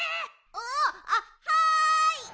あっはい！